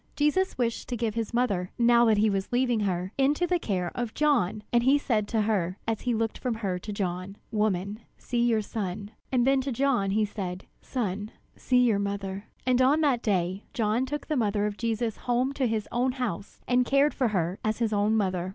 Jesus wished to give his mother, now that he was leaving her, into the care of John, and he said to her, as he looked from her to John: "Woman, see your son." And then to John he said: "Son, see your mother." And on that day John took the mother of Jesus home to his own house, and cared for her as his own mother.